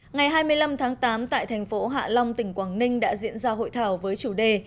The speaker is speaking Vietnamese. ngày hai mươi năm tháng tám tại thành phố hạ long tỉnh quảng ninh đã diễn ra hội thảo với chủ đề